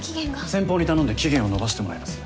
先方に頼んで期限を延ばしてもらいます。